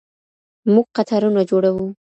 موږ قطارونه جوړوو.